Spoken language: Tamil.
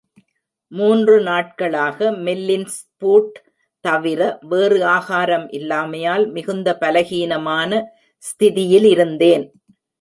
மூன்று நாட்களாக மெல்லின்ஸ்பூட் தவிர வேறு ஆகாரம் இல்லாமையால், மிகுந்த பலஹீனமான ஸ்திதியிலிருந்தேன்.